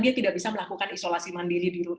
dia tidak bisa melakukan isolasi mandiri